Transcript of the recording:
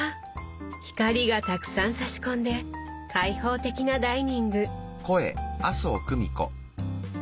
光がたくさんさし込んで開放的なダイニング。